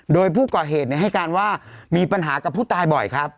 โดยผู้ก่อเหตุให้การว่ามีปัญหากับผู้ตายบ่อยครับ